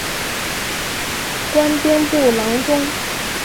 官兵部郎中。